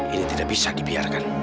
ini tidak bisa dibiarkan